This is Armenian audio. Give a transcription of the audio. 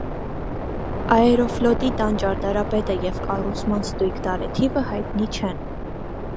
«Աերոֆլոտի» տան ճարտարապետը և կառուցման ստույգ տարեթիվը հայտնի չեն։